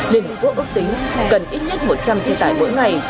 liên hợp quốc ước tính cần ít nhất một trăm linh xe tải mỗi ngày